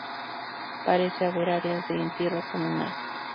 Parece haber áreas de entierro comunal.